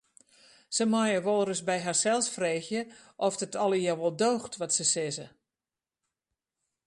Se meie wolris by harsels freegje oft it allegearre wol doocht wat se sizze.